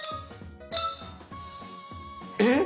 えっ！